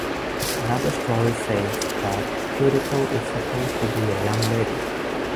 Another story says that Tudipo is supposed to be a young lady.